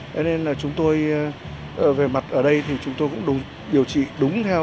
thế nên là chúng tôi về mặt ở đây thì chúng tôi cũng điều trị đúng theo